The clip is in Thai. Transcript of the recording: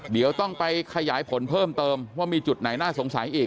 เดี๋ยวต้องไปขยายผลเพิ่มเติมว่ามีจุดไหนน่าสงสัยอีก